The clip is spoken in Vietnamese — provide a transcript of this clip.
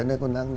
nên còn đang